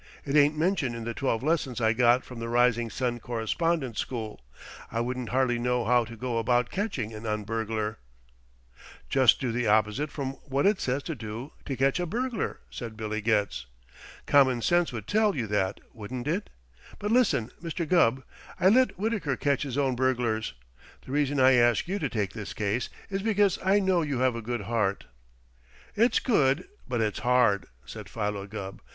It ain't mentioned in the twelve lessons I got from the Rising Sun Correspondence School. I wouldn't hardly know how to go about catching an un burglar " "Just do the opposite from what it says to do to catch a burglar," said Billy Getz. "Common sense would tell you that, wouldn't it? But, listen, Mr. Gubb: I'd let Wittaker catch his own burglars. The reason I ask you to take this case is because I know you have a good heart." "It's good, but it's hard," said Philo Gubb.